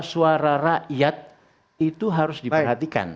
suara rakyat itu harus diperhatikan